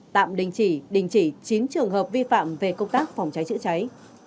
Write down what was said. tạm đình chỉ đình chỉ chín trường hợp vi phạm về công tác phòng cháy chữa cháy